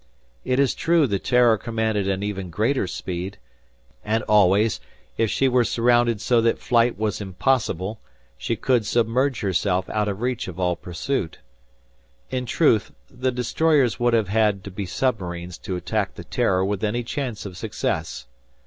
It is true, the "Terror" commanded an even greater speed, and always, if she were surrounded so that flight was impossible, she could submerge herself out of reach of all pursuit. In truth, the destroyers would have had to be submarines to attack the "Terror" with any chance of success.